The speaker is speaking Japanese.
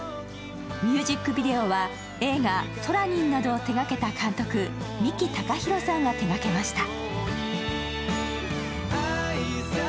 ミュージックビデオは映画「ソラニン」などを手がけた監督・三木孝浩さんが手がけました